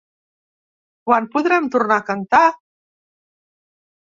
Quan podrem tornar a cantar?